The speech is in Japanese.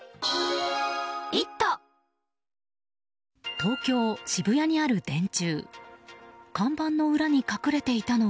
東京・渋谷にある電柱。